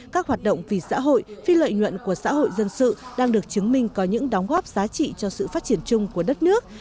các hoạt động vì xã hội phi lợi nhuận của xã hội dân sự đang được chứng minh có những đóng góp giá trị cho sự phát triển chung của đất nước